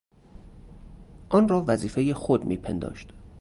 آن را وظیفهی خود میپنداشت.